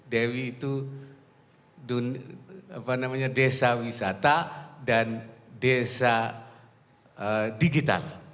dewi itu apa namanya desa wisata dan desa digital